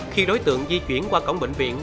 khi đối tượng di chuyển qua cổng bệnh viện